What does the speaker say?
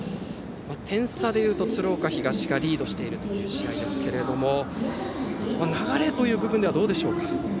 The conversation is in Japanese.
点差でいうと鶴岡東がリードしているという試合ですが流れという部分はどうでしょうか。